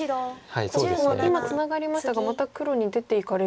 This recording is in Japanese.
ここを今ツナがりましたがまた黒に出ていかれると。